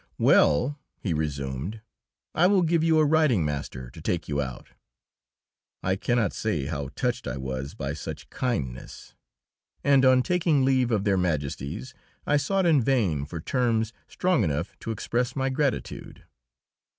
"Well," he resumed, "I will give you a riding master to take you out." I cannot say how touched I was by such kindness, and on taking leave of Their Majesties I sought in vain for terms strong enough to express my gratitude.